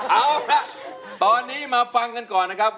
เอาละตอนนี้มาฟังกันก่อนนะครับ